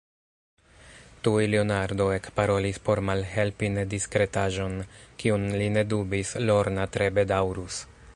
Tuj Leonardo ekparolis por malhelpi nediskretaĵon, kiun, li ne dubis, Lorna tre bedaŭrus: